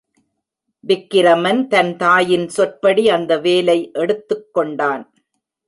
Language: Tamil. விக்கிரமன் தன் தாயின் சொற்படி அந்த வேலை எடுத்துக்கொண்டான்.